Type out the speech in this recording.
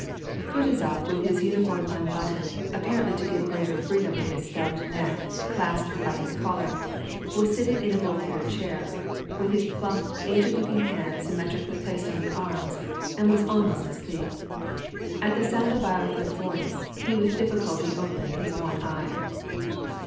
Kutuzof with his uniform unbuttoned, apparently to give greater freedom to his stout neck clasped by his collar, was sit ting in a Voltaire chair, with his plump, aged looking hands sym metrically placed on the arms, and was almost asleep. At the sound of Weirother's voice he with difficulty opened his one eye.